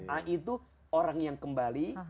a itu orang yang kembali